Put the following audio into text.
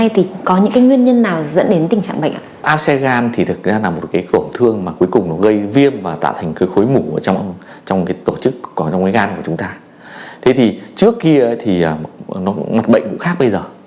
thế thì trước kia thì mặt bệnh cũng khác bây giờ